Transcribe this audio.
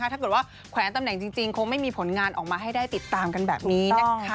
ถ้าเกิดว่าแขวนตำแหน่งจริงคงไม่มีผลงานออกมาให้ได้ติดตามกันแบบนี้นะคะ